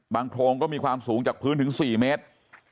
โพรงก็มีความสูงจากพื้นถึง๔เมตร